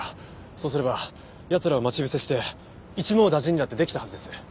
そうすれば奴らを待ち伏せして一網打尽にだって出来たはずです。